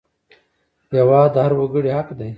هېواد د هر وګړي حق دی